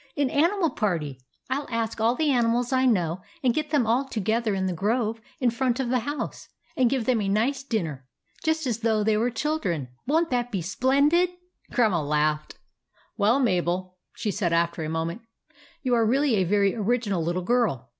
" An animal party. I '11 ask all the ani mals I know, and get them all together in the grove in front of the house, and give them a nice dinner, just as though they were children. Won't that be splendid !" Grandma laughed. " Well, Mabel," she said, after a moment, "you are really a very original little girl.